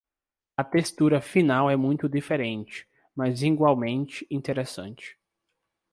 A textura final é muito diferente, mas igualmente interessante.